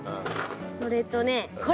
それとねこれ。